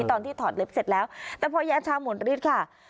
ตอนที่ถอดเล็บเสร็จแล้วแต่พอยาชาหมดฤทธิ์ค่ะ